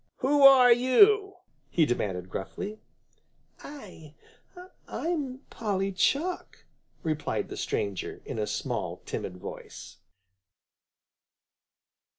"Who are you?" he demanded gruffly. "I I'm Polly Chuck," replied the stranger, in a small, timid voice.